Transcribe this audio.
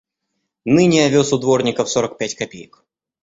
Ныне овес у дворников сорок пять копеек.